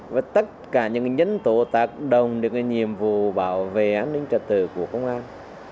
với tất cả những nhân tự tạc đồng định nhiệm vụ bảo vệ an ninh trật tự của công an